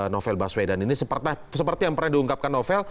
novel baswedan ini seperti yang pernah diungkapkan novel